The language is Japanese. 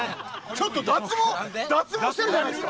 ちょっと脱毛脱毛してるじゃないですか！